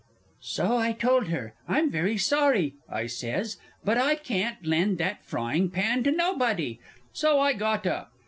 So I told her. "I'm very sorry," I says, "but I can't lend that frying pan to nobody." So I got up.